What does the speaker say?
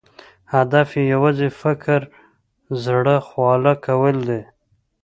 هدف یې یوازې فکري زړه خواله کول دي.